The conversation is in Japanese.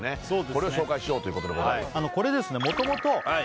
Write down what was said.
これを紹介しようということでございます